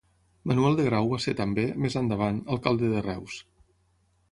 Manuel de Grau va ser també, més endavant, alcalde de Reus.